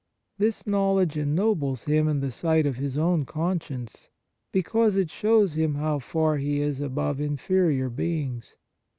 This knowledge en nobles him in the sight of his own conscience, because it shows him how far he is above inferior beings.